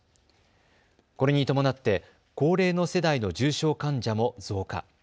これに伴って高齢の世代の重症患者も増加。